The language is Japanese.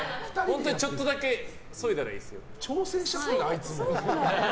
本当にちょっとだけそいだらいいですよ。